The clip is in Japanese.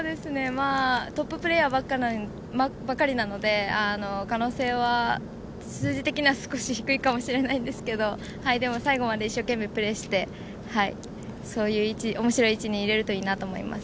まあトッププレーヤーばっかりなので、可能性は、数字的には少し低いのかもしれないですけど、でも最後まで一生懸命プレーして、そういう位置、おもしろい位置に入れるといいなと思います。